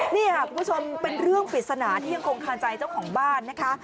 นี่คุณผู้ชมเป็นเรื่องฝีศนาที่ยังคงคาญใจเจ้าของบ้าน